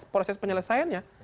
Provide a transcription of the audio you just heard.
tidak jelas penyelesaiannya